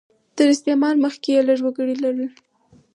تر استعمار مخکې یې لږ وګړي لرل.